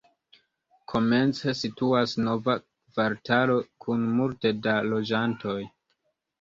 Komence situas nova kvartalo kun multe da loĝantoj.